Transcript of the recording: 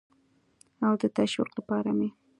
او د تشویق لپاره مې